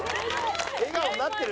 笑顔になってる？